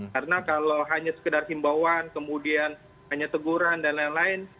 karena kalau hanya sekedar himbauan kemudian hanya teguran dan lain lain